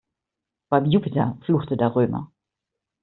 "Beim Jupiter!", fluchte der Römer.